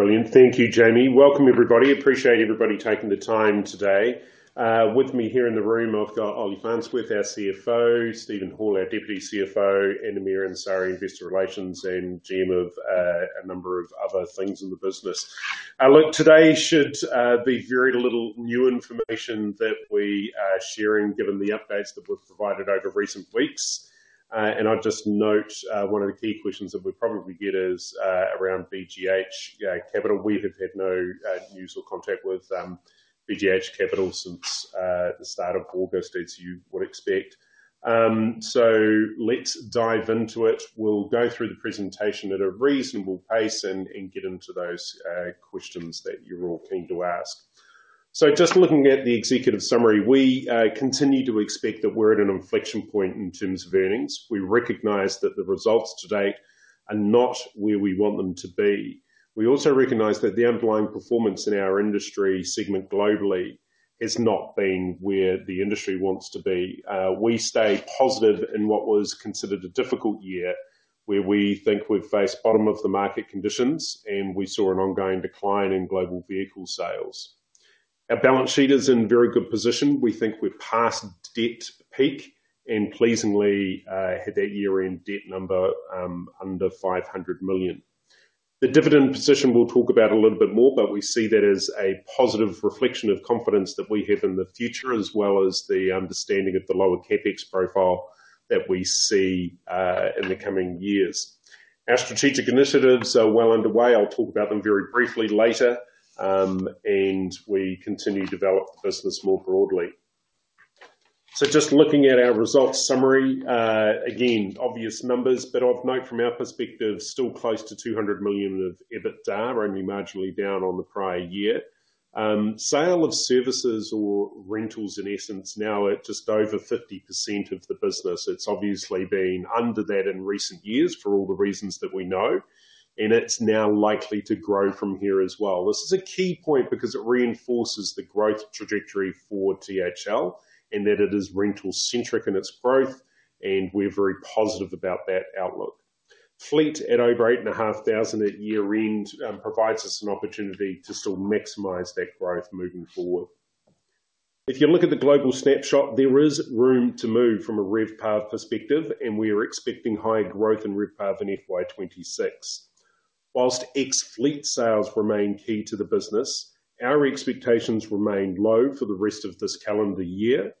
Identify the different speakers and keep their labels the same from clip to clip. Speaker 1: Brilliant. Thank you, Jamie. Welcome, everybody. Appreciate everybody taking the time today. With me here in the room, I've got Ollie Farnsworth, our CFO, Steven Hall, our Deputy CFO, and Amir Ansari, Investor Relations and team of a number of other things in the business. Today should be very little new information that we share given the updates that were provided over recent weeks. I'll just note, one of the key questions that we probably get is around BGH Capital. We've had no news or contact with BGH Capital since the start of August, as you would expect. Let's dive into it. We'll go through the presentation at a reasonable pace and get into those questions that you're all keen to ask. Just looking at the executive summary, we continue to expect that we're at an inflection point in terms of earnings. We recognize that the results to date are not where we want them to be. We also recognize that the underlying performance in our industry segment globally has not been where the industry wants to be. We stayed positive in what was considered a difficult year, where we think we've faced bottom-of-the-market conditions, and we saw an ongoing decline in global vehicle sales. Our balance sheet is in a very good position. We think we've passed debt peak and, pleasingly, had a year-end debt number under 500 million. The dividend position we'll talk about a little bit more, but we see that as a positive reflection of confidence that we have in the future, as well as the understanding of the lower CapEx profile that we see in the coming years. Our strategic initiatives are well underway. I'll talk about them very briefly later, and we continue to develop the business more broadly. Just looking at our results summary, again, obvious numbers, but of note from our perspective, still close to 200 million of EBITDA, only marginally down on the prior year. Sale of services or rentals, in essence, now at just over 50% of the business. It's obviously been under that in recent years for all the reasons that we know, and it's now likely to grow from here as well. This is a key point because it reinforces the growth trajectory for THL and that it is rental-centric in its growth, and we're very positive about that outlook. Fleet at over eight and a half thousand at year-end provides us an opportunity to still maximize that growth moving forward. If you look at the global snapshot, there is room to move from a rev path perspective, and we are expecting higher growth in rev path in FY 2026. Whilst ex-fleet sales remain key to the business, our expectations remain low for the rest of this calendar year,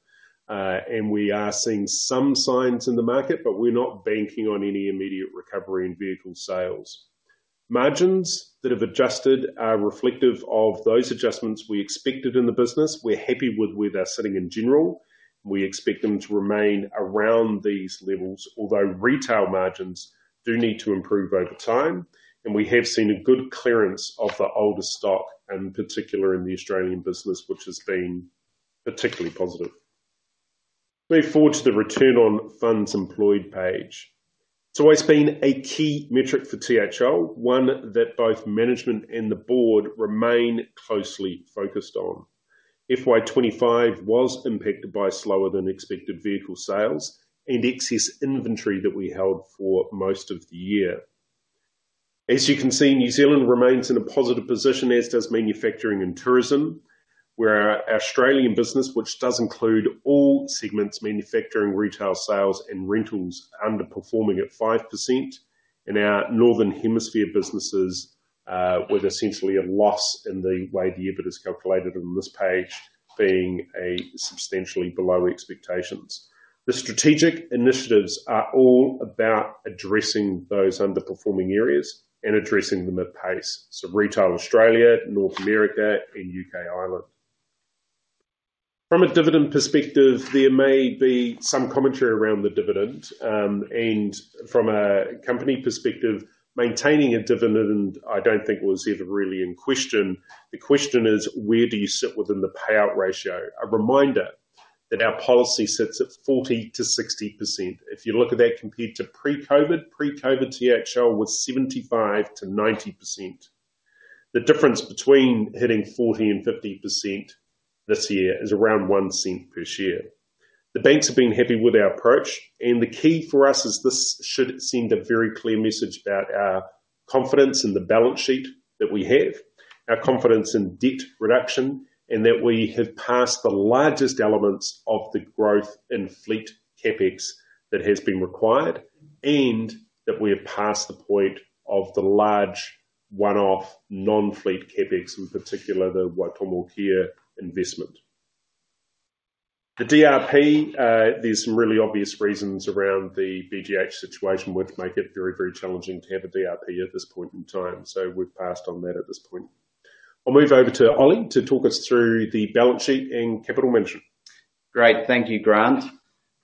Speaker 1: and we are seeing some signs in the market, but we're not banking on any immediate recovery in vehicle sales. Margins that have adjusted are reflective of those adjustments we expected in the business. We're happy with where they're sitting in general, and we expect them to remain around these levels, although retail margins do need to improve over time. We have seen a good clearance of the older stock, particularly in the Australian business, which has been particularly positive. Let's move forward to the return on funds employed page. It's always been a key metric for THL, one that both management and the board remain closely focused on. FY 2025 was impacted by slower-than-expected vehicle sales and excess inventory that we held for most of the year. As you can see, New Zealand remains in a positive position, as does manufacturing and tourism, where our Australian business, which does include all segments, manufacturing, retail sales, and rentals, underperforming at 5%, and our northern hemisphere businesses, with essentially a loss in the way the EBITDA is calculated on this page, being substantially below expectations. The strategic initiatives are all about addressing those underperforming areas and addressing them at pace. Retail Australia, North America, and U.K./Ireland. From a dividend perspective, there may be some commentary around the dividend, and from a company perspective, maintaining a dividend, I don't think, was ever really in question. The question is, where do you sit within the payout ratio? A reminder that our policy sits at 40%-60%. If you look at that compared to pre-COVID, pre-COVID THL was 75% to 90%. The difference between hitting 40% and 50% this year is around 0.01 per share. The banks have been happy with our approach, and the key for us is this should send a very clear message about our confidence in the balance sheet that we have, our confidence in debt reduction, and that we have passed the largest elements of the growth in fleet CapEx that has been required, and that we are past the point of the large one-off non-fleet CapEx, in particular the Waitomo here investment. The DRP, there's some really obvious reasons around the BGH situation, which make it very, very challenging to have a DRP at this point in time. We've passed on that at this point. I'll move over to Ollie to talk us through the balance sheet and capital management.
Speaker 2: Great. Thank you, Grant.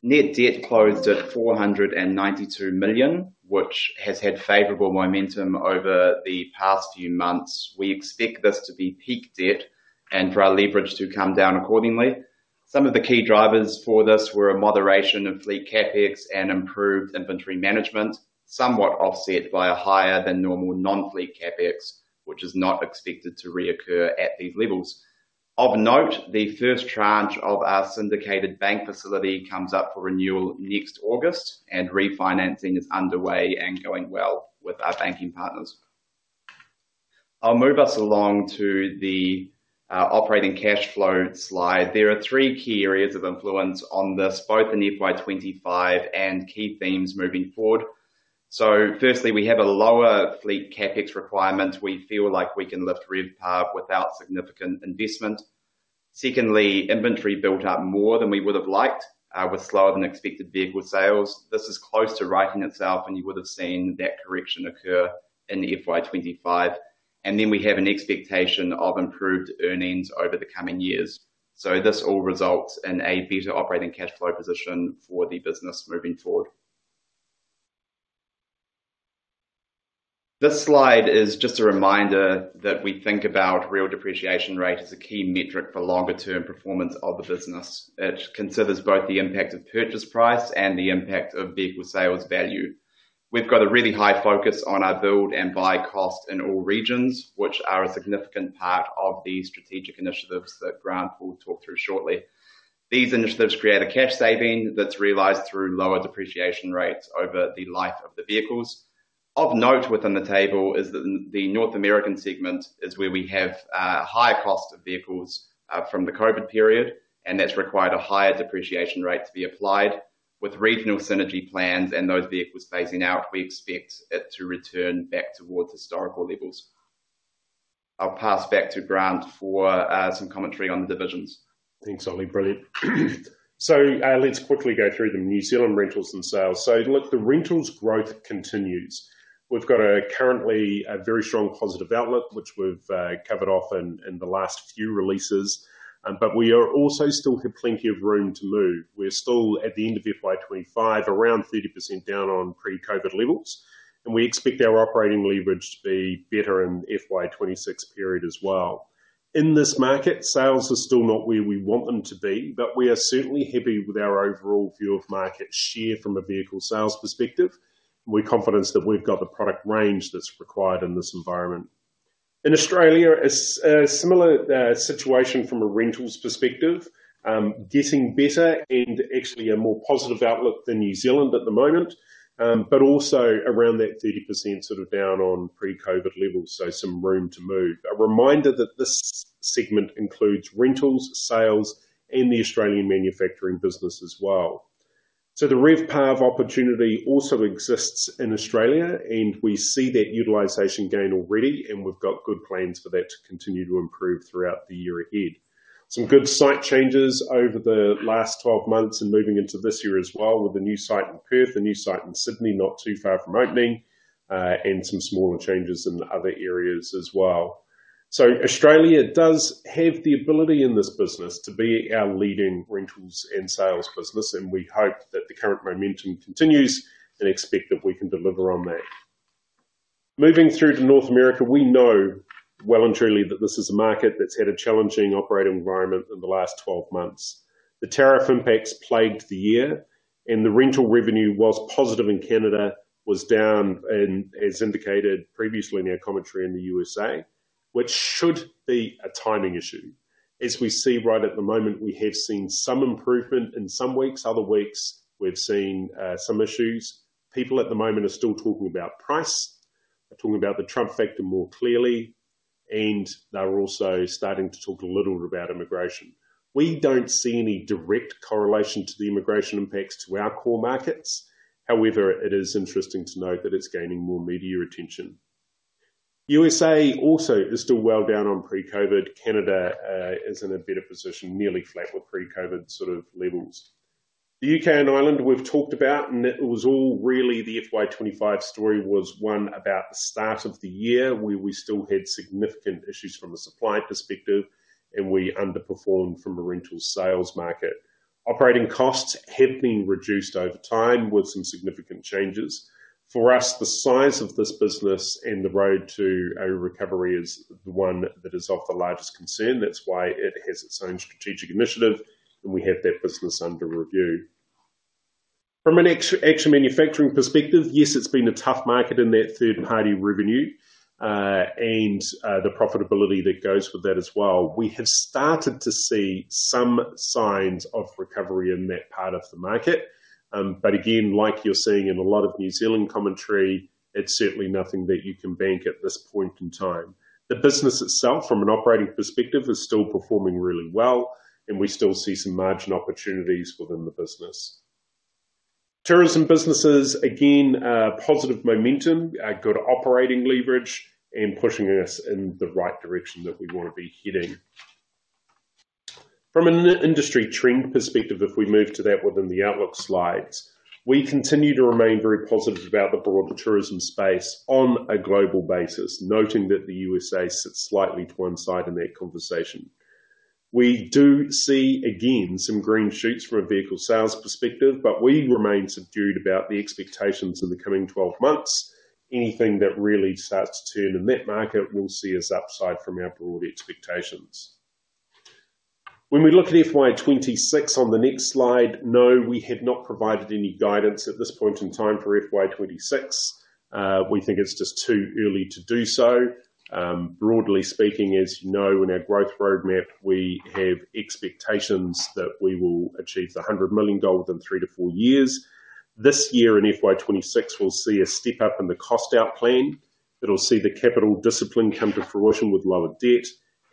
Speaker 2: Net debt closed at 492 million, which has had favorable momentum over the past few months. We expect this to be peak debt and for our leverage to come down accordingly. Some of the key drivers for this were a moderation of fleet CapEx and improved inventory management, somewhat offset by a higher-than-normal non-fleet CapEx, which is not expected to reoccur at these levels. Of note, the first tranche of our syndicated bank facility comes up for renewal next August, and refinancing is underway and going well with our banking partners. I'll move us along to the operating cash flow slide. There are three key areas of influence on this, both in FY 2025 and key themes moving forward. Firstly, we have a lower fleet CapEx requirement. We feel like we can lift rev path without significant investment. Secondly, inventory built up more than we would have liked, with slower-than-expected vehicle sales. This is close to righting itself, and you would have seen that correction occur in FY 2025. We have an expectation of improved earnings over the coming years. This all results in a better operating cash flow position for the business moving forward. This slide is just a reminder that we think about real depreciation rate as a key metric for longer-term performance of the business. It considers both the impact of purchase price and the impact of vehicle sales value. We've got a really high focus on our build and buy cost in all regions, which are a significant part of the strategic initiatives that Grant will talk through shortly. These initiatives create a cash saving that's realized through lower depreciation rates over the life of the vehicles. Of note within the table is that the North American segment is where we have a higher cost of vehicles from the COVID period, and that's required a higher depreciation rate to be applied. With regional synergy plans and those vehicles phasing out, we expect it to return back towards historical levels. I'll pass back to Grant for some commentary on the divisions.
Speaker 1: Thanks, Ollie. Brilliant. Let's quickly go through the New Zealand rentals and sales. The rentals growth continues. We've got currently a very strong positive outlook, which we've covered off in the last few releases, but we also still have plenty of room to move. We're still at the end of FY 2025, around 30% down on pre-COVID levels, and we expect our operating leverage to be better in the FY 2026 period as well. In this market, sales are still not where we want them to be, but we are certainly happy with our overall view of market share from a vehicle sales perspective, and we're confident that we've got the product range that's required in this environment. In Australia, a similar situation from a rentals perspective, getting better and actually a more positive outlook than New Zealand at the moment, but also around that 30% down on pre-COVID levels, so some room to move. A reminder that this segment includes rentals, sales, and the Australian manufacturing business as well. The rev path opportunity also exists in Australia, and we see that utilization gain already, and we've got good plans for that to continue to improve throughout the year ahead. Some good site changes over the last 12 months and moving into this year as well, with a new site in Perth, a new site in Sydney not too far from opening, and some smaller changes in other areas as well. Australia does have the ability in this business to be our leading rentals and sales business, and we hope that the current momentum continues and expect that we can deliver on that. Moving through to North America, we know well and truly that this is a market that's had a challenging operating environment in the last 12 months. The tariff impacts plagued the year, and the rental revenue was positive in Canada, was down, and as indicated previously in our commentary in the USA, which should be a timing issue. As we see right at the moment, we have seen some improvement in some weeks. Other weeks, we've seen some issues. People at the moment are still talking about price, are talking about the Trump factor more clearly, and they're also starting to talk a little bit about immigration. We don't see any direct correlation to the immigration impacts to our core markets. However, it is interesting to note that it's gaining more media attention. The USA also is still well down on pre-COVID. Canada is in a better position, nearly flat with pre-COVID levels. The U.K. and Ireland we've talked about, and it was all really the FY 2025 story was one about the start of the year where we still had significant issues from a supply perspective, and we underperformed from a rental sales market. Operating costs have been reduced over time with some significant changes. For us, the size of this business and the road to a recovery is the one that is of the largest concern. That's why it has its own strategic initiative, and we have that business under review. From an action manufacturing perspective, yes, it's been a tough market in that third-party revenue, and the profitability that goes with that as well. We have started to see some signs of recovery in that part of the market, but again, like you're seeing in a lot of New Zealand commentary, it's certainly nothing that you can bank at this point in time. The business itself, from an operating perspective, is still performing really well, and we still see some margin opportunities within the business. Tourism businesses, again, positive momentum, good operating leverage, and pushing us in the right direction that we want to be heading. From an industry trend perspective, if we move to that within the outlook slides, we continue to remain very positive about the broader tourism space on a global basis, noting that the USA sits slightly to one side in that conversation. We do see, again, some green shoots from a vehicle sales perspective, but we remain subdued about the expectations in the coming 12 months. Anything that really starts to turn in that market, we'll see as upside from our broad expectations. When we look at FY 2026 on the next slide, no, we have not provided any guidance at this point in time for FY 2026. We think it's just too early to do so. Broadly speaking, as you know, in our growth roadmap, we have expectations that we will achieve the 100 million within three to four years. This year in FY 2026, we'll see a step up in the cost-out plan. It'll see the capital discipline come to fruition with lower debt,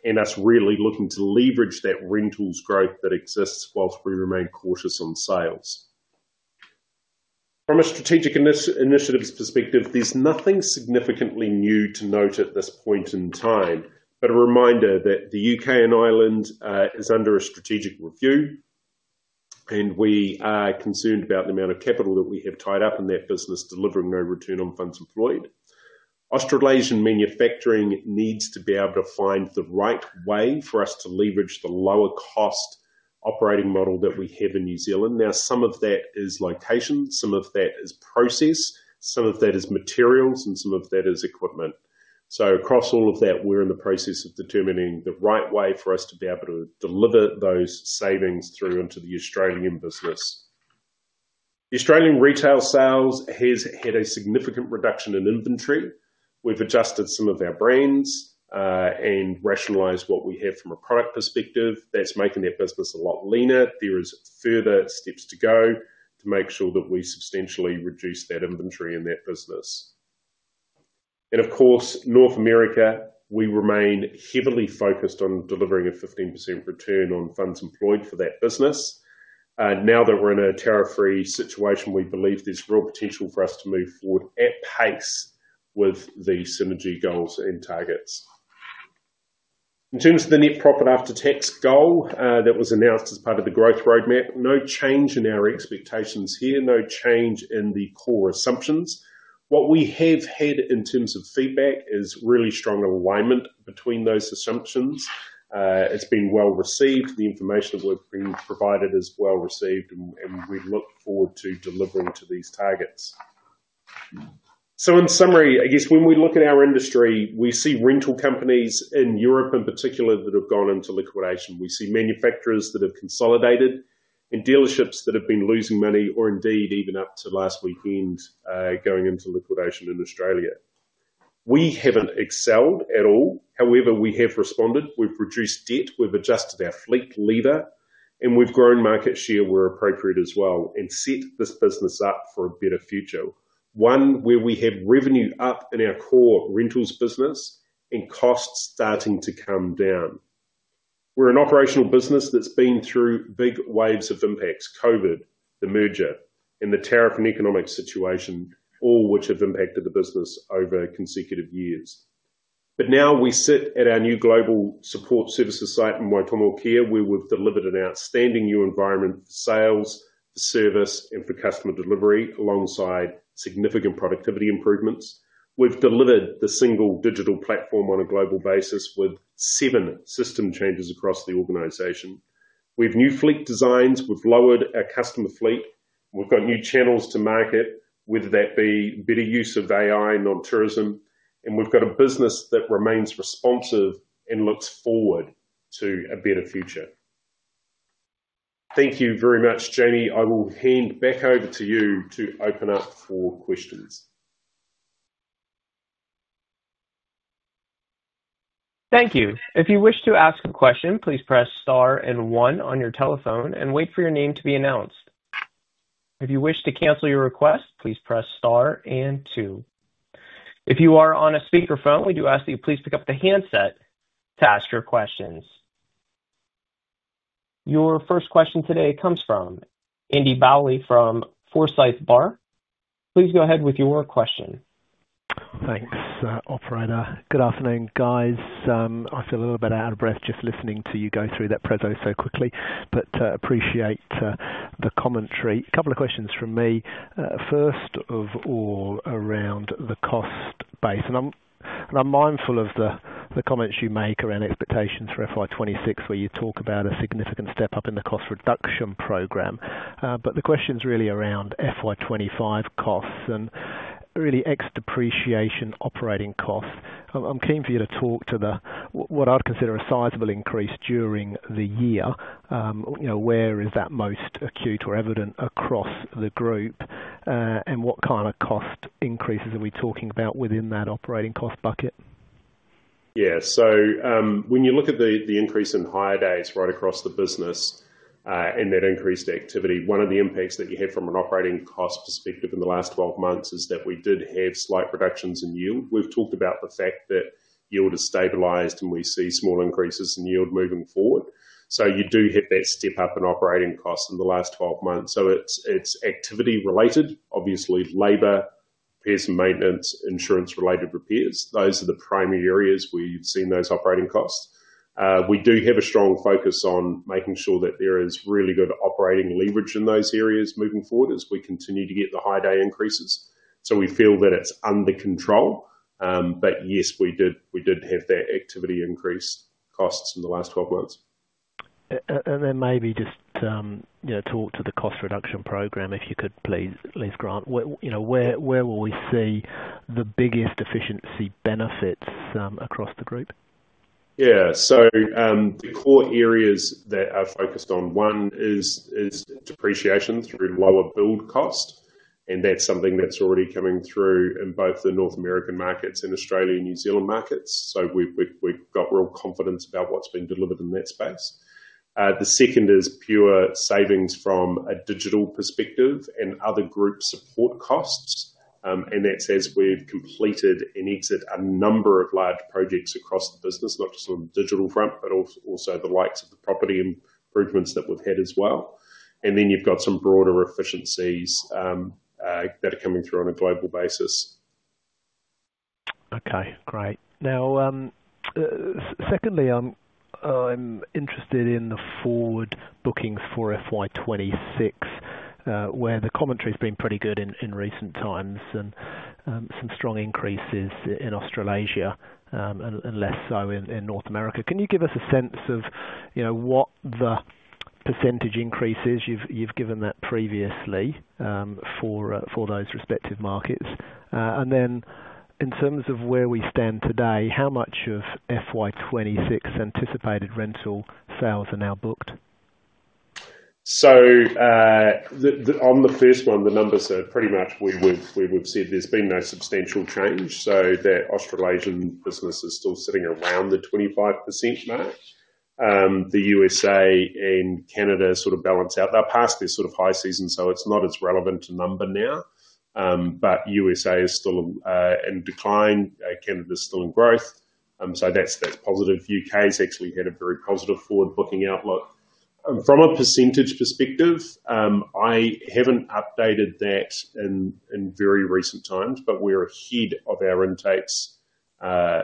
Speaker 1: and us really looking to leverage that rentals growth that exists whilst we remain cautious on sales. From a strategic initiatives perspective, there's nothing significantly new to note at this point in time, but a reminder that the U.K. and Ireland are under a strategic review, and we are concerned about the amount of capital that we have tied up in that business delivering no return on funds employed. Australasian manufacturing needs to be able to find the right way for us to leverage the lower-cost operating model that we have in New Zealand. Some of that is location, some of that is process, some of that is materials, and some of that is equipment. Across all of that, we're in the process of determining the right way for us to be able to deliver those savings through into the Australian business. The Australian retail sales have had a significant reduction in inventory. We've adjusted some of our brands and rationalized what we have from a product perspective. That's making that business a lot leaner. There are further steps to go to make sure that we substantially reduce that inventory in that business. Of course, North America, we remain heavily focused on delivering a 15% return on funds employed for that business. Now that we're in a tariff-free situation, we believe there's real potential for us to move forward at pace with the synergy goals and targets. In terms of the net profit after tax goal, that was announced as part of the growth roadmap, no change in our expectations here, no change in the core assumptions. What we have had in terms of feedback is really strong alignment between those assumptions. It's been well received. The information that we've been provided is well received, and we look forward to delivering to these targets. In summary, I guess when we look at our industry, we see rental companies in Europe in particular that have gone into liquidation. We see manufacturers that have consolidated and dealerships that have been losing money or indeed even up to last weekend, going into liquidation in Australia. We haven't excelled at all. However, we have responded. We've reduced debt. We've adjusted our fleet lever, and we've grown market share where appropriate as well and set this business up for a better future. One where we have revenue up in our core rentals business and costs starting to come down. We're an operational business that's been through big waves of impacts: COVID, the merger, and the tariff and economic situation, all which have impacted the business over consecutive years. Now we sit at our new global support services site in Waitomo here, where we've delivered an outstanding new environment for sales, for service, and for customer delivery, alongside significant productivity improvements. We've delivered the single digital platform on a global basis with seven system changes across the organization. We have new fleet designs. We've lowered our customer fleet. We've got new channels to market, whether that be better use of AI and on tourism, and we've got a business that remains responsive and looks forward to a better future. Thank you very much, Jamie. I will hand back over to you to open up for questions.
Speaker 3: Thank you. If you wish to ask a question, please press star and one on your telephone and wait for your name to be announced. If you wish to cancel your request, please press star and two. If you are on a speakerphone, we do ask that you please pick up the handset to ask your questions. Your first question today comes from Andy Bowley from Forsyth Barr. Please go ahead with your question.
Speaker 4: Thanks, operator. Good afternoon, guys. I feel a little bit out of breath just listening to you go through that proposal so quickly, but I appreciate the commentary. A couple of questions from me. First of all, around the cost base, and I'm mindful of the comments you make around expectations for FY 2026, where you talk about a significant step up in the cost reduction program. The question is really around FY 2025 costs and really ex-depreciation operating costs. I'm keen for you to talk to what I'd consider a sizable increase during the year. Where is that most acute or evident across the group, and what kind of cost increases are we talking about within that operating cost bucket?
Speaker 1: Yeah, when you look at the increase in hire days right across the business and that increased activity, one of the impacts that you have from an operating cost perspective in the last 12 months is that we did have slight reductions in yield. We've talked about the fact that yield has stabilized and we see small increases in yield moving forward. You do have that step up in operating costs in the last 12 months. It's activity related. Obviously, labor, personnel, maintenance, insurance-related repairs, those are the primary areas where you've seen those operating costs. We do have a strong focus on making sure that there is really good operating leverage in those areas moving forward as we continue to get the hire day increases. We feel that it's under control, but yes, we did have that activity increase costs in the last 12 months.
Speaker 4: Could you please talk to the cost reduction program, Grant? Where will we see the biggest efficiency benefits across the group?
Speaker 1: Yeah, the core areas that are focused on, one is depreciation through lower build cost, and that's something that's already coming through in both the North American markets and Australia and New Zealand markets. We've got real confidence about what's been delivered in that space. The second is pure savings from a digital perspective and other group support costs, as we've completed and exited a number of large projects across the business, not just on the digital front, but also the likes of the property improvements that we've had as well. Then you've got some broader efficiencies that are coming through on a global basis.
Speaker 4: Okay, great. Now, secondly, I'm interested in the forward bookings for FY 2026, where the commentary has been pretty good in recent times and some strong increases in Australasia and less so in North America. Can you give us a sense of what the percentage increases you've given that previously for those respective markets? In terms of where we stand today, how much of FY 2026 anticipated rental sales are now booked?
Speaker 1: On the first one, the numbers are pretty much where we've said, there's been no substantial change. That Australasian business is still sitting around the 25% mark. The USA and Canada sort of balance out. They're past this sort of high season, so it's not as relevant a number now. USA is still in decline. Canada is still in growth, so that's positive. U.K. has actually had a very positive forward booking outlook. From a percentage perspective, I haven't updated that in very recent times, but we're ahead of our intakes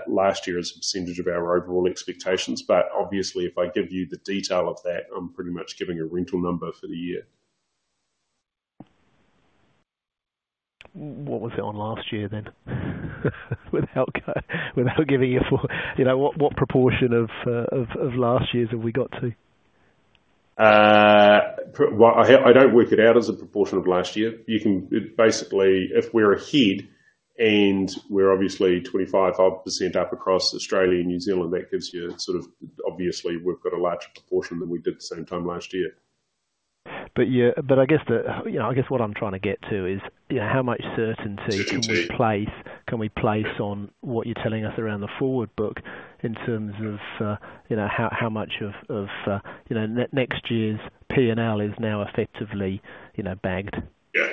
Speaker 1: last year as a percentage of our overall expectations. Obviously, if I give you the detail of that, I'm pretty much giving a rental number for the year.
Speaker 4: What was it on last year? Without giving you a full, you know, what proportion of last year's have we got to?
Speaker 1: I don't work it out as a proportion of last year. You can basically, if we're ahead and we're obviously 25% up across Australia and New Zealand, that gives you a sort of, obviously we've got a larger proportion than we did at the same time last year.
Speaker 4: I guess what I'm trying to get to is, you know, how much certainty can we place on what you're telling us around the forward book in terms of, you know, how much of, you know, next year's P&L is now effectively, you know, bagged.
Speaker 1: Yeah.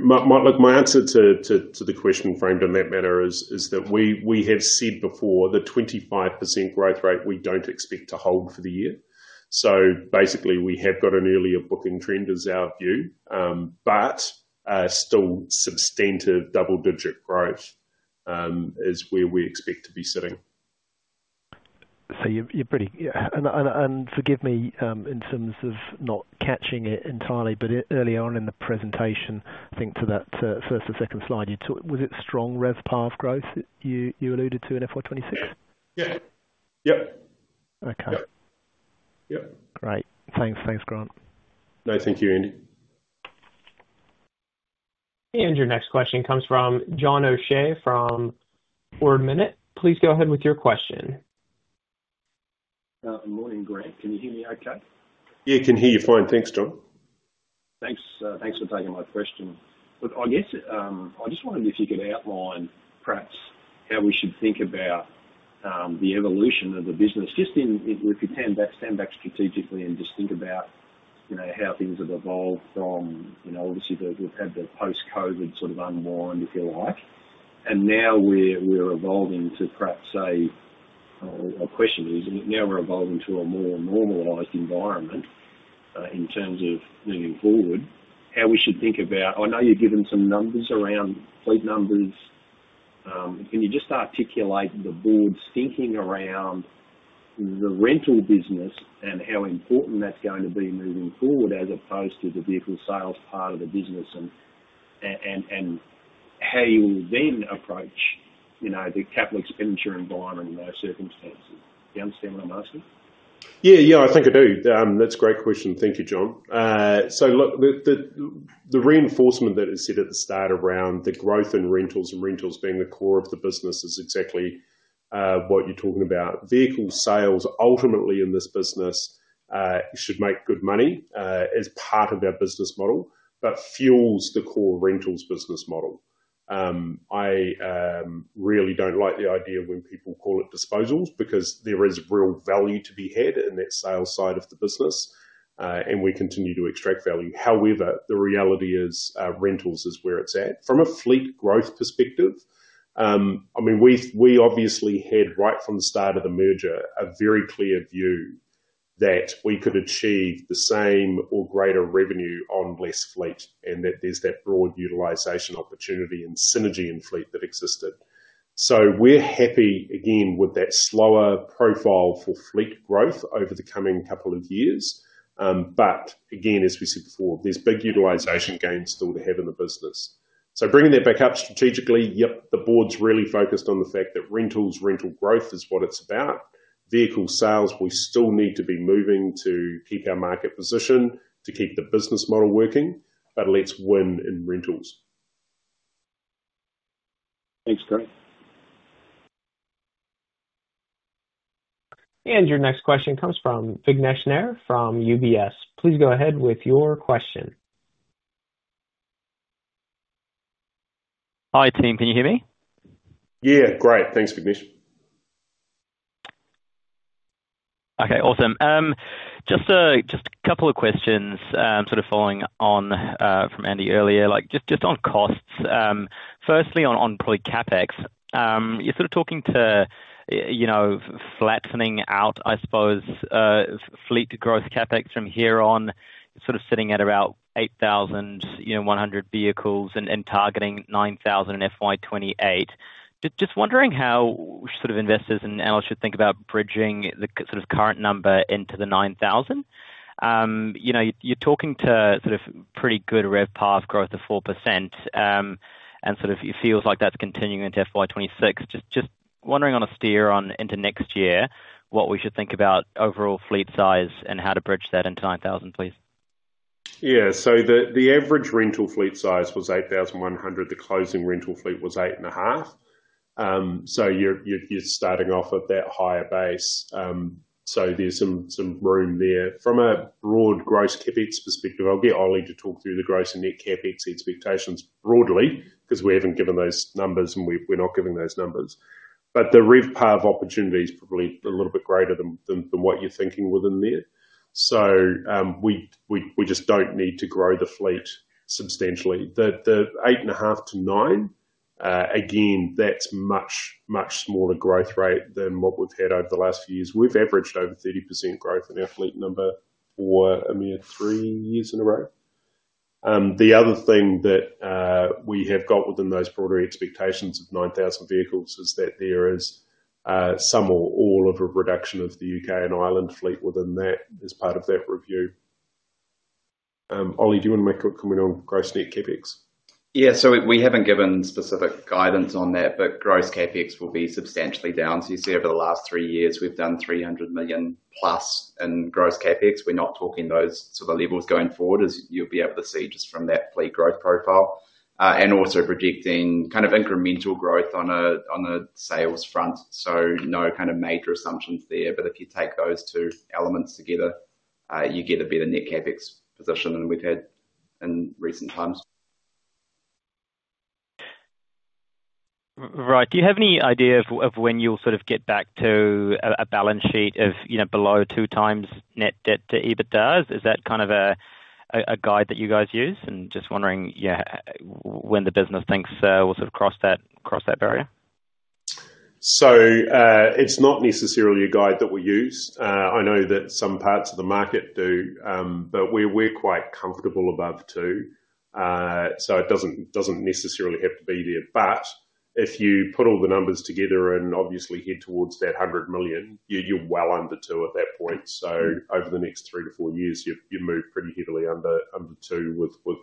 Speaker 1: My answer to the question framed in that matter is that we have said before the 25% growth rate we don't expect to hold for the year. We have got an earlier booking trend as our view, but still substantive double-digit growth is where we expect to be sitting.
Speaker 4: You're pretty, yeah, and forgive me in terms of not catching it entirely, but earlier on in the presentation, I think to that first or second slide, you talked, was it strong RevPAR growth you alluded to in FY 2026?
Speaker 1: Yeah. Yep.
Speaker 4: Okay.
Speaker 1: Yep.
Speaker 4: Right. Thanks, thanks, Grant.
Speaker 1: No, thank you, Andy.
Speaker 3: Your next question comes from John O'Shea from Ord Minnett. Please go ahead with your question.
Speaker 5: Morning, Grant. Can you hear me okay?
Speaker 1: Yeah, I can hear you fine. Thanks, John.
Speaker 5: Thanks. Thanks for taking my question. Look, I guess I just wondered if you could outline perhaps how we should think about the evolution of the business. If we could stand back strategically and just think about, you know, how things have evolved from, you know, obviously we've had the post-COVID sort of unwind, if you like. Now we're evolving to a more normalized environment, in terms of moving forward. How we should think about, I know you've given some numbers around fleet numbers, and you just articulate the board's thinking around the rental business and how important that's going to be moving forward as opposed to the vehicle sales part of the business and how you will then approach, you know, the capital expenditure and buying in those circumstances. Do you understand what I'm asking?
Speaker 1: Yeah, yeah, I think I do. That's a great question. Thank you, John. The reinforcement that is set at the start around the growth in rentals and rentals being the core of the business is exactly what you're talking about. Vehicle sales ultimately in this business should make good money as part of our business model, but fuels the core rentals business model. I really don't like the idea when people call it disposals because there is real value to be had in that sales side of the business, and we continue to extract value. However, the reality is, rentals is where it's at. From a fleet growth perspective, we obviously had right from the start of the merger a very clear view that we could achieve the same or greater revenue on less fleet and that there's that broad utilization opportunity and synergy in fleet that existed. We're happy again with that slower profile for fleet growth over the coming couple of years. As we said before, there's big utilization gains still to have in the business. Bringing that back up strategically, the board's really focused on the fact that rentals, rental growth is what it's about. Vehicle sales, we still need to be moving to keep our market position to keep the business model working, but let's win in rentals.
Speaker 5: Thanks, Grant.
Speaker 3: Your next question comes from Vignesh Nair from UBS. Please go ahead with your question.
Speaker 6: Hi, team. Can you hear me?
Speaker 1: Yeah, great. Thanks, Vignesh.
Speaker 6: Okay, awesome. Just a couple of questions, sort of following on from Andy earlier, just on costs. Firstly, on fleet CapEx, you're sort of talking to, you know, flattening out, I suppose, fleet growth CapEx from here on. It's sort of sitting at about 8,100 vehicles and targeting 9,000 in FY 2028. Just wondering how investors and analysts should think about bridging the current number into the 9,000. You know, you're talking to pretty good rev path growth of 4%, and it feels like that's continuing into FY 2026. Just wondering on a steer on into next year what we should think about overall fleet size and how to bridge that into 9,000, please.
Speaker 1: Yeah, so the average rental fleet size was 8,100. The closing rental fleet was 8,500, so you're starting off at that higher base. There's some room there. From a broad gross CapEx perspective, I'll get Ollie to talk through the gross and net CapEx expectations broadly because we haven't given those numbers and we're not giving those numbers. The RevPAR opportunity is probably a little bit greater than what you're thinking within there. We just don't need to grow the fleet substantially. The 8,500 to 9,000, again, that's a much, much smaller growth rate than what we've had over the last few years. We've averaged over 30% growth in our fleet number for three years in a row. The other thing that we have got within those broader expectations of 9,000 vehicles is that there is some or all of a reduction of the U.K. and Ireland fleet within that as part of that review. Ollie, do you want to make a comment on gross net CapEx?
Speaker 2: Yeah, we haven't given specific guidance on that, but gross CapEx will be substantially down. You see over the last three years, we've done 300+ million in gross CapEx. We're not talking those sort of levels going forward, as you'll be able to see just from that fleet growth profile, and also projecting kind of incremental growth on a sales front. No kind of major assumptions there, but if you take those two elements together, you get a better net CapEx position than we've had in recent times.
Speaker 6: Right. Do you have any idea of when you'll sort of get back to a balance sheet of, you know, below 2x net debt to EBITDA? Is that kind of a guide that you guys use? Just wondering, you know, when the business thinks we'll sort of cross that barrier?
Speaker 1: It's not necessarily a guide that we use. I know that some parts of the market do, but we're quite comfortable above 2x. It doesn't necessarily have to be there. If you put all the numbers together and obviously head towards that 100 million, you're well under 2x at that point. Over the next three to four years, you've moved pretty heavily under 2x with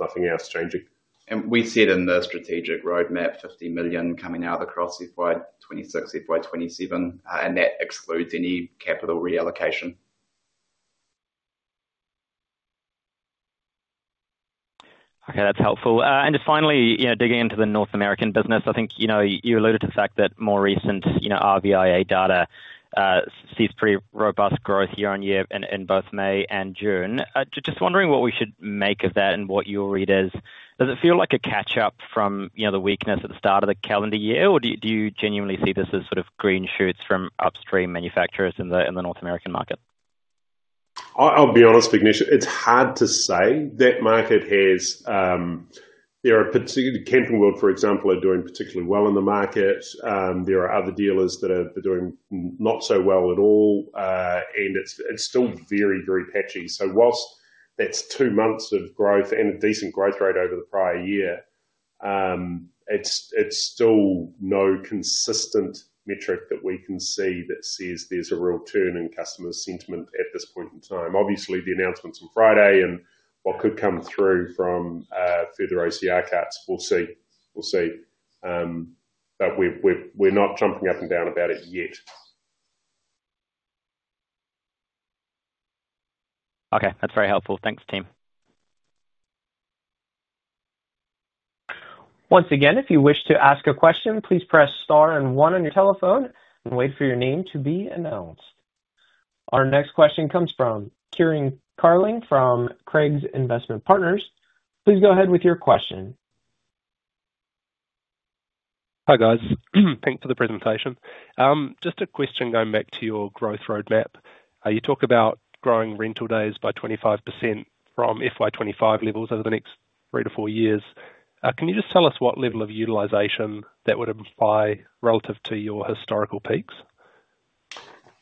Speaker 1: nothing else changing.
Speaker 2: We said in the strategic roadmap 50 million coming out of across FY 2026, FY 2027, and that excludes any capital reallocation.
Speaker 6: Okay, that's helpful. Just finally, digging into the North American business, I think you alluded to the fact that more recent RVIA data sees pretty robust growth year on year in both May and June. Just wondering what we should make of that and what your read is. Does it feel like a catch-up from the weakness at the start of the calendar year, or do you genuinely see this as sort of green shoots from upstream manufacturers in the North American market?
Speaker 1: I'll be honest, Vignesh, it's hard to say. That market has, there are particularly Camping World, for example, are doing particularly well in the market. There are other dealers that are doing not so well at all. It's still very, very patchy. Whilst that's two months of growth and a decent growth rate over the prior year, it's still no consistent metric that we can see that says there's a real turn in customer sentiment at this point in time. Obviously, the announcements on Friday and what could come through from further OCR cuts, we'll see. We're not jumping up and down about it yet.
Speaker 6: Okay, that's very helpful. Thanks, team.
Speaker 3: Once again, if you wish to ask a question, please press star and one on your telephone and wait for your name to be announced. Our next question comes from Kieran Carling from Craigs Investment Partners. Please go ahead with your question.
Speaker 7: Hi guys, thanks for the presentation. Just a question going back to your growth roadmap. You talk about growing rental days by 25% from FY 2025 levels over the next three to four years. Can you just tell us what level of utilization that would imply relative to your historical peaks?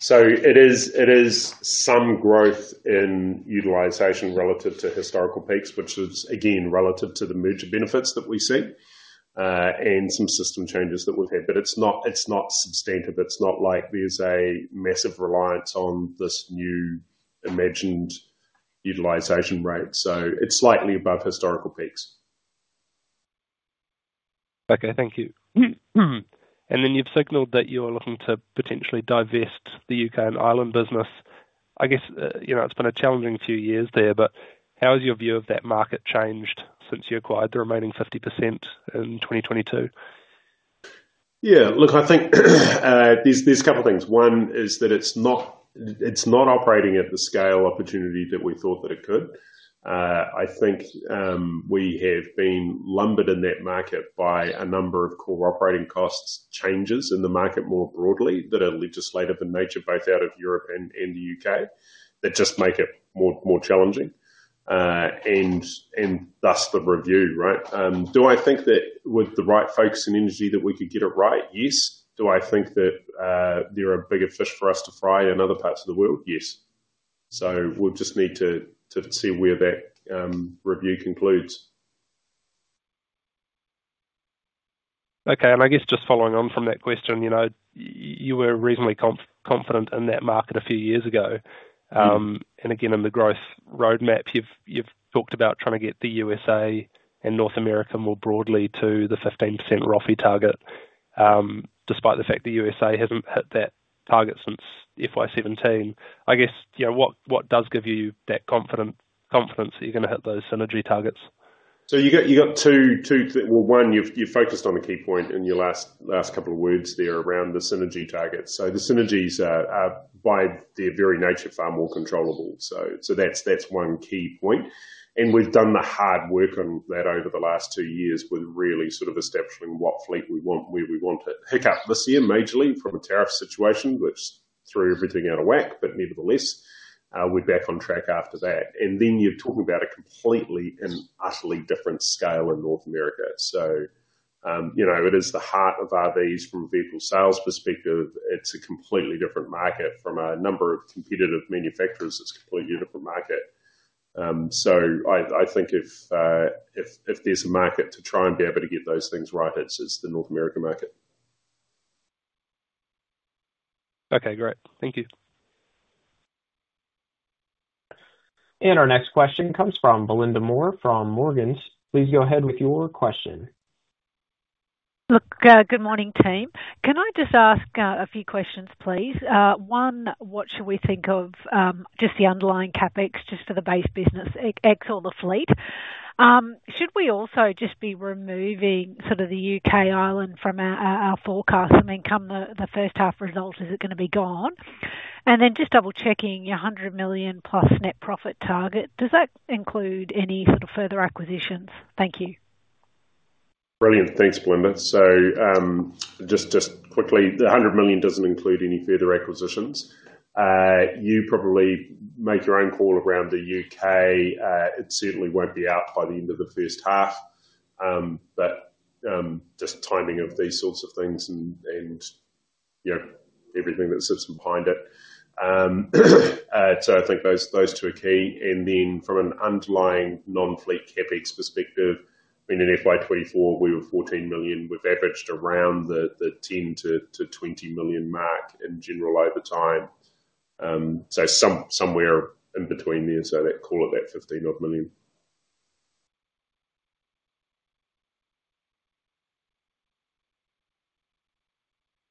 Speaker 1: It is some growth in utilization relative to historical peaks, which is again relative to the merger benefits that we see and some system changes that we've had. It's not substantive. It's not like there's a massive reliance on this new imagined utilization rate. It's slightly above historical peaks.
Speaker 7: Okay, thank you. You've signaled that you're looking to potentially divest the U.K. and Ireland business. I guess it's been a challenging few years there, but how has your view of that market changed since you acquired the remaining 50% in 2022?
Speaker 1: Yeah, look, I think there's a couple of things. One is that it's not operating at the scale opportunity that we thought that it could. I think we have been lumbered in that market by a number of core operating costs and changes in the market more broadly that are legislative in nature, both out of Europe and the U.K., that just make it more challenging, and thus the review, right? Do I think that with the right focus and energy that we could get it right? Yes. Do I think that there are bigger fish for us to fry in other parts of the world? Yes. We'll just need to see where that review concludes.
Speaker 7: Okay, just following on from that question, you were reasonably confident in that market a few years ago. In the growth roadmap, you've talked about trying to get the USA and North America more broadly to the 15% ROFI target, despite the fact the USA hasn't hit that target since FY 2017. What does give you that confidence that you're going to hit those synergy targets?
Speaker 1: You've got two things. One, you've focused on the key point in your last couple of words there around the synergy targets. The synergies are, by their very nature, far more controllable. That's one key point. We've done the hard work on that over the last two years with really sort of establishing what fleet we want, where we want it. Heck, up this year majorly from a tariff situation, which threw everything out of whack, but nevertheless, we're back on track after that. You're talking about a completely and utterly different scale in North America. It is the heart of RVs from a vehicle sales perspective. It's a completely different market from a number of competitive manufacturers. It's a completely different market. I think if there's a market to try and be able to get those things right, it's the North American market.
Speaker 7: Okay, great. Thank you.
Speaker 3: Our next question comes from Belinda Moore from Morgans. Please go ahead with your question.
Speaker 8: Good morning, team. Can I just ask a few questions, please? One, what should we think of, just the underlying CapEx, just for the base business excluding the fleet? Should we also just be removing sort of the U.K./Ireland from our forecast? I mean, come the first half results, is it going to be gone? Just double-checking your 100+ million net profit target. Does that include any sort of further acquisitions? Thank you.
Speaker 1: Brilliant. Thanks, Belinda. Just quickly, the 100 million doesn't include any further acquisitions. You probably make your own call around the U.K. It certainly won't be out by the end of the first half, just timing of these sorts of things and everything that sits behind it. I think those two are key. From an underlying non-fleet CapEx perspective, in FY 2024, we were 14 million. We've averaged around the 10 to 20 million mark in general over time, so somewhere in between there, so let's call it that 15 odd million.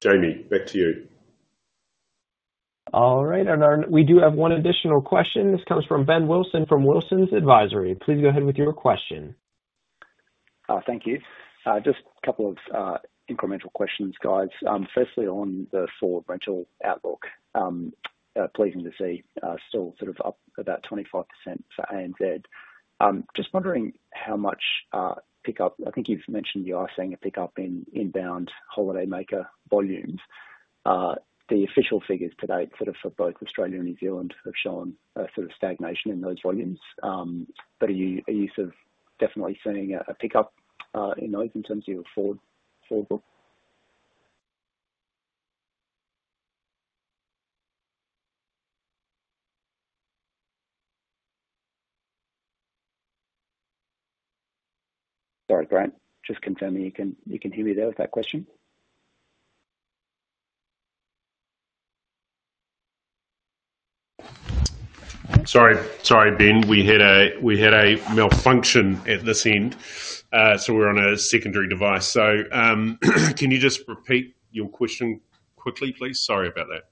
Speaker 1: Jamie, back to you.
Speaker 3: All right. We do have one additional question. This comes from Ben Wilson from Wilsons Advisory. Please go ahead with your question.
Speaker 9: Thank you. Just a couple of incremental questions, guys. Firstly, on the forward rental outlook, pleasing to see still sort of up about 25% for A and Z. Just wondering how much pickup, I think you've mentioned you are seeing a pickup in inbound holiday maker volumes. The official figures today for both Australia and New Zealand have shown a sort of stagnation in those volumes. Are you definitely seeing a pickup in those in terms of your forward bookings? Sorry, Grant, just confirming you can hear me there with that question.
Speaker 1: Sorry, Ben. We had a malfunction at this end, so we're on a secondary device. Can you just repeat your question quickly, please? Sorry about that.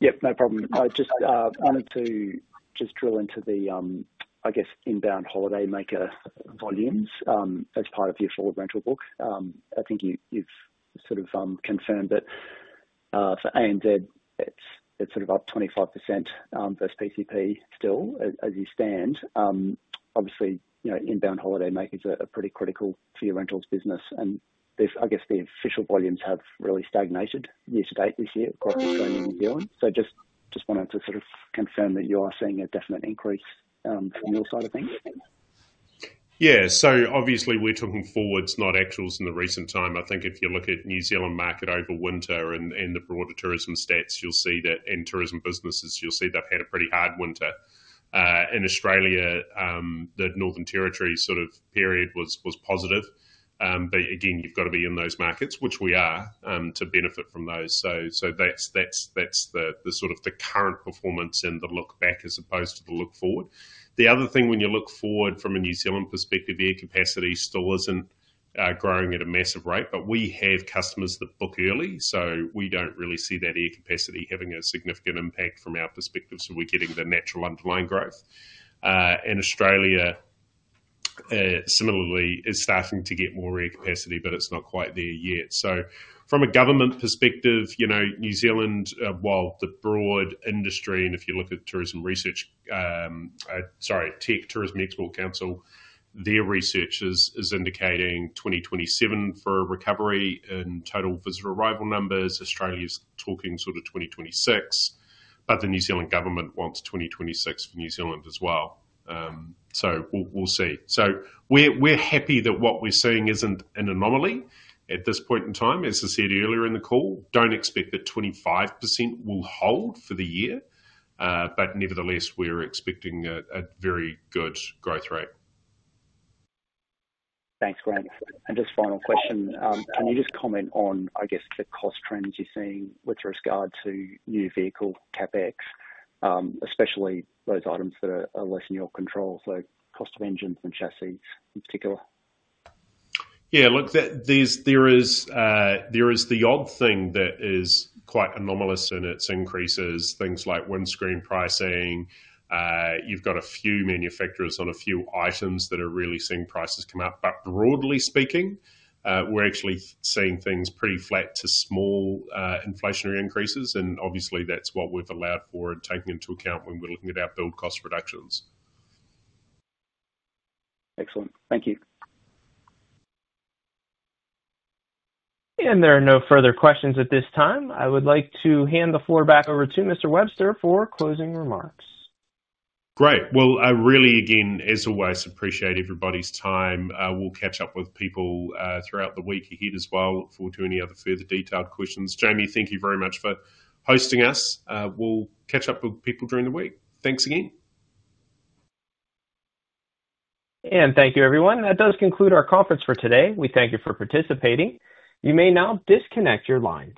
Speaker 9: Yep, no problem. I just wanted to drill into the, I guess, inbound holiday maker volumes as part of your forward rental book. I think you've sort of confirmed that for A and Z, it's up 25% versus PCP still as you stand. Obviously, inbound holiday makers are pretty critical to your rentals business. I guess the official volumes have really stagnated year to date this year across Australia and New Zealand. I just wanted to confirm that you are seeing a definite increase from your side of things.
Speaker 1: Yeah, so obviously we're talking forwards, not actuals in the recent time. I think if you look at the New Zealand market over winter and the broader tourism stats, you'll see that, and tourism businesses, you'll see that they've had a pretty hard winter. In Australia, the Northern Territory period was positive, but again, you've got to be in those markets, which we are, to benefit from those. That's the sort of the current performance and the look back as opposed to the look forward. The other thing, when you look forward from a New Zealand perspective, the air capacity still isn't growing at a massive rate, but we have customers that book early, so we don't really see that air capacity having a significant impact from our perspective. We're getting the natural underlying growth, and Australia similarly is starting to get more air capacity, but it's not quite there yet. From a government perspective, you know, New Zealand, while the broad industry, and if you look at Tourism Research, sorry, Tourism Export Council, their research is indicating 2027 for a recovery in total visitor arrival numbers. Australia's talking 2026, but the New Zealand government wants 2026 for New Zealand as well. We'll see. We're happy that what we're seeing isn't an anomaly at this point in time. As I said earlier in the call, don't expect that 25% will hold for the year, but nevertheless, we're expecting a very good growth rate.
Speaker 9: Thanks, Grant. Just final question. Can you just comment on, I guess, the cost trends you're seeing with regard to new vehicle CapEx, especially those items that are less in your control, so cost of engines and chassis in particular?
Speaker 1: Yeah, look, there is the odd thing that is quite anomalous in its increases, things like windscreen pricing. You've got a few manufacturers on a few items that are really seeing prices come up. Broadly speaking, we're actually seeing things pretty flat to small, inflationary increases. Obviously, that's what we've allowed forward, taking into account when we're looking at our build cost reductions.
Speaker 9: Excellent. Thank you.
Speaker 3: There are no further questions at this time. I would like to hand the floor back over to Mr. Webster for closing remarks.
Speaker 1: Great. I really, again, as always, appreciate everybody's time. We'll catch up with people throughout the week ahead as well. Look forward to any other further detailed questions. Jamie, thank you very much for hosting us. We'll catch up with people during the week. Thanks again.
Speaker 3: Thank you, everyone. That does conclude our conference for today. We thank you for participating. You may now disconnect your lines.